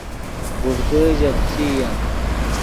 گوڤدے ژے پیچئین